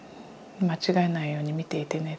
間違えないように見ていてね。